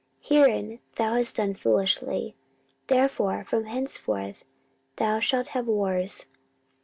Herein thou hast done foolishly: therefore from henceforth thou shalt have wars.